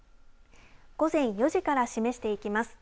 午前４時から示していきます。